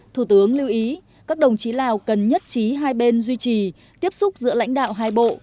thủ tướng lưu ý các đồng chí lào cần nhất trí hai bên duy trì tiếp xúc giữa lãnh đạo hai bộ